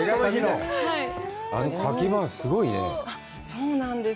そうなんです。